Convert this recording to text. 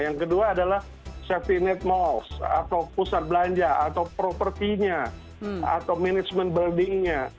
yang kedua adalah safety net molst atau pusat belanja atau propertinya atau management buildingnya